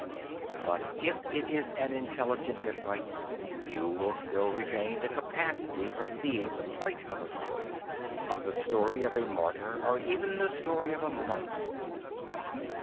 But if it is an intelligent dislike, you will still retain the capacity for seeing the point of a story; of the story of a martyr or even the story of a monk.